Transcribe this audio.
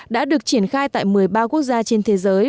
đã được triển khai tại một mươi ba quốc gia trên thế giới